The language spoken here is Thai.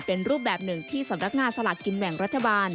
เป็นรูปแบบหนึ่งที่สำนักงานสลากกินแบ่งรัฐบาล